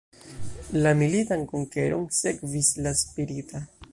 La militan konkeron sekvis la spirita.